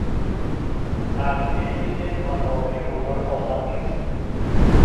تغذیهی یک خانوادهی بزرگ آسان نیست.